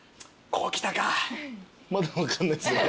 まだ分かんないっす。